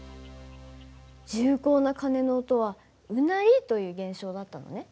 重厚な鐘の音はうなりという現象だったんだね。